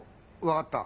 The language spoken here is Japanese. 分かった。